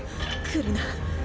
来るな！